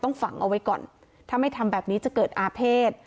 ฝังเอาไว้ก่อนถ้าไม่ทำแบบนี้จะเกิดอาเภษ